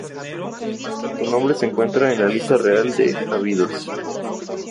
Su nombre se encuentra en la Lista Real de Abidos